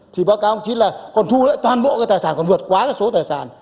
thì bác cao trí là còn thu lại toàn bộ cái tài sản còn vượt quá cái số tài sản